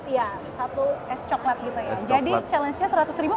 jadi challenge nya seratus ribu masih ada kembali